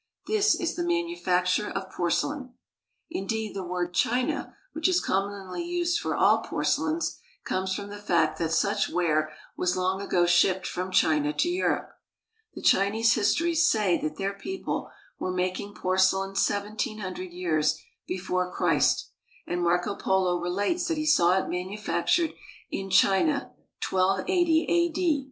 This is the manufacture of porcelain. In deed, the word *' china," which is commonly used for all porcelains, comes from the fact that such ware was long ago shipped from China to Europe. The Chinese histories say that their people were making porcelain seventeen hundred years before Christ ; and Marco Polo relates that he saw it manufactured in China 1280 a.d.